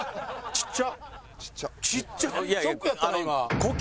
ちっちゃ。